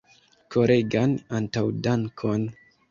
Koregan antaŭdankon!